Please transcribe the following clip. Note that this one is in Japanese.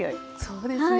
そうですね